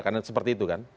karena seperti itu kan